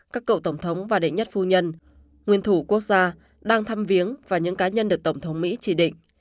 các cựu tổng thống và đệ nhất phu nhân nguyên thủ quốc gia đang thăm viếng và những cá nhân được tổng thống mỹ chỉ định